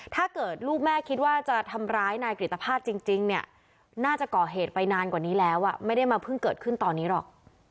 ถ้าเกิดลูกแม่คิดว่าจะทำร้ายนายกฤตภาพจริงเนี่ยน่าจะก่อเหตุไปนานกว่านี้แล้วไม่ได้มาเพิ่งเกิดขึ้นตอนนี้หรอก